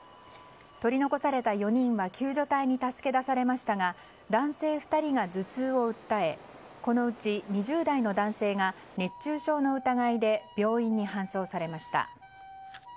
取り残された４人は救助隊に助け出されましたが男性２人が頭痛を訴えこのうち２０代の男性が熱中症の疑いで病院に搬送されました。